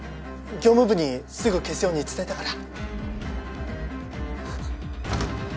業務部にすぐ消すように伝えたから。